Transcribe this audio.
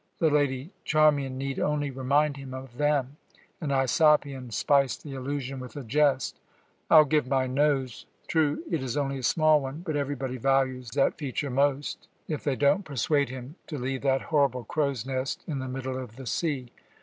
The lady Charmian need only remind him of them, and Aisopion spice the allusion with a jest. I'll give my nose true, it's only a small one, but everybody values that feature most if they don't persuade him to leave that horrible crow's nest in the middle of the sea.